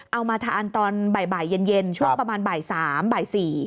เอามาทานตอนบ่ายเย็นช่วงประมาณบ่าย๓บ่าย๔